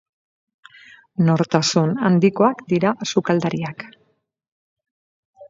Nortasun handikoak dira sukaldariak.